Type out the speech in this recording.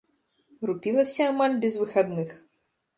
Рупілася амаль без выхадных.